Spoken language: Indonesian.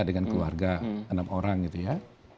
dengan keluarga enam orang gitu ya